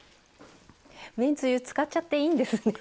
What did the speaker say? めんつゆ使っちゃっていいんですね。